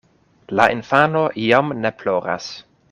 La infano jam ne ploras.